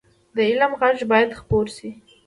د علم غږ باید خپور شي